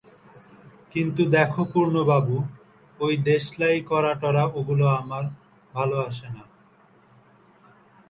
কিন্তু দেখো পূর্ণবাবু, ঐ দেশলাই করা-টরা ওগুলো আমার ভালো আসে না।